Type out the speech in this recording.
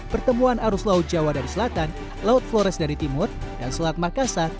pertemuan arus laut jawa dari selatan laut flores dari timur dan selat makassar